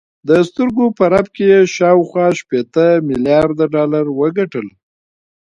د سترګو په رپ کې یې شاوخوا شپېته میلارده ډالر وګټل